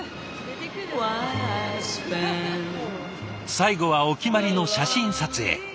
最後はお決まりの写真撮影。